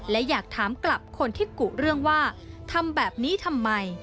และอยากถามกลับคนที่กุเรื่องว่าทำแบบนี้ทำไม